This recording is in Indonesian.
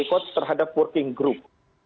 ini bukan masalah terhadap working group